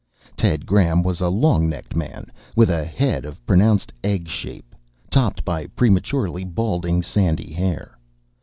Ted Graham was a long necked man with a head of pronounced egg shape topped by prematurely balding sandy hair.